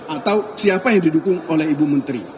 atau siapa yang didukung oleh ibu menteri